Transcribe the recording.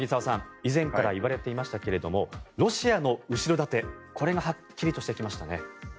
以前から言われていましたがロシアの後ろ盾、これがはっきりとしてきましたね。